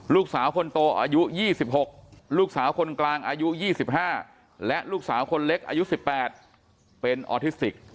ลูกสาวคนโตอายุ๒๖ลูกสาวคนกลางอายุ๒๕และลูกสาวคนเล็กอายุ๑๘เป็นออทิสติก